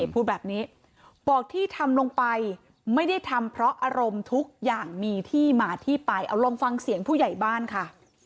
พูดแบบนี้บอกที่ทำลงไปไม่ได้ทำเพราะอารมณ์ทุกอย่างมีที่มาที่ไปเอาลองฟังเสียงผู้ใหญ่บ้านค่ะ